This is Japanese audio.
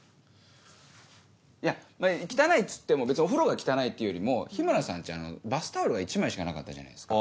いや汚いっつっても別にお風呂が汚いっていうよりも日村さん家バスタオルが１枚しかなかったじゃないですか。